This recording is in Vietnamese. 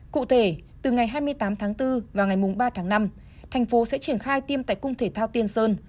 cụ thể từ ngày hai mươi tám tháng bốn và ngày ba tháng năm thành phố sẽ triển khai tiêm tại cung thể thao tiên sơn